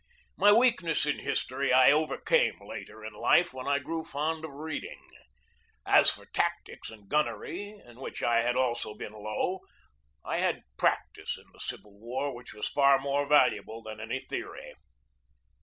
My weakness in history I overcame later in life, when I grew fond of reading. As for tactics and gun nery, in which I had also been low, I had practice in the Civil War which was far more valuable than any theory.